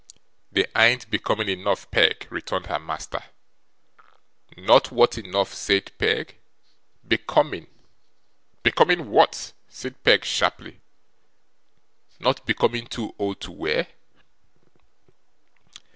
'They an't becoming enough, Peg,' returned her master. 'Not what enough?' said Peg. 'Becoming.' 'Becoming what?' said Peg, sharply. 'Not becoming too old to wear?